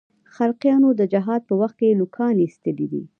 خلقیانو د جهاد په وخت کې نوکان اېستلي دي.